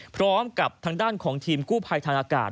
พร้อมกับทางด้านของทีมกู้ภัยทางอากาศ